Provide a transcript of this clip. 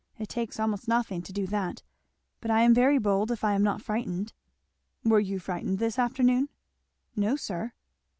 It takes almost nothing to do that; but I am very bold if I am not frightened." "Were you frightened this afternoon?" "No sir."